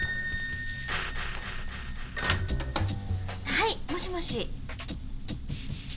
☎☎はいもしもし。